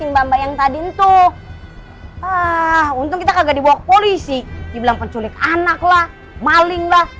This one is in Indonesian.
mbak mbak yang tadi itu ah untung kita kagak dibawa ke polisi dibilang penculik anak lah maling lah